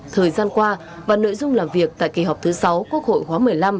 thời gian qua và nội dung làm việc tại kỳ họp thứ sáu quốc hội khóa một mươi năm